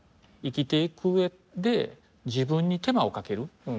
生きていく上で自分に手間をかける。